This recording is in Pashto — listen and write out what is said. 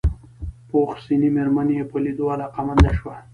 پوخ سنې مېرمن يې په ليدو علاقه منده شوه.